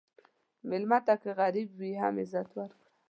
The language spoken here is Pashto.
مېلمه ته که غریب وي، هم عزت ورکړه.